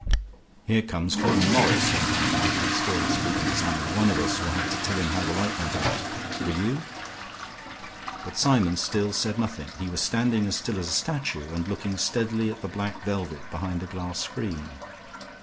"Here comes Colonel Morris," went on Twyford, still speaking to Symon. "One of us will have to tell him how the light went out. Will you?" But Symon still said nothing. He was standing as still as a statue, and looking steadily at the black velvet behind the glass screen.